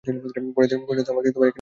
পনেরো দিন আপনাকে এখানে থাকতে হবে।